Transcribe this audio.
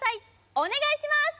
お願いします